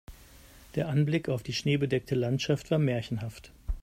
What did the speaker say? Der Anblick auf die schneebedeckte Landschaft war märchenhaft.